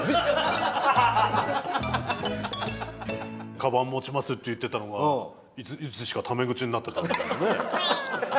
「カバン持ちます」って言ってたのがいつしかため口になってたっていうね。